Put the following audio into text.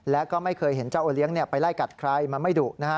และก็ไม่เคยเห็นเจ้าโอเลี้ยงไปไล่กัดใครมันไม่ดุนะฮะ